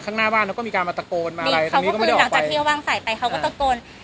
ข้างหน้าบ้านแล้วก็มีการมาตะโกนมานี่เขาก็คือหลังจากที่เขาวางสายไปเขาก็ตะโกน